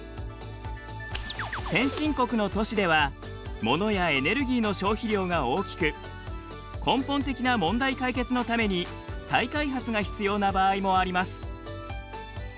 先進国の都市では物やエネルギーの消費量が大きく根本的な問題解決のために再開発が必要な場合もあります。